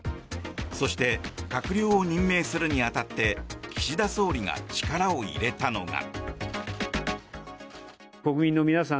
そして閣僚を任命するに当たって岸田総理が力を入れたのが。